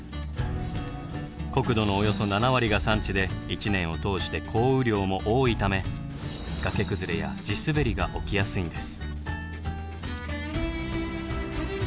国土のおよそ７割が山地で一年を通して降雨量も多いため崖崩れや地滑りが起きやすいんです。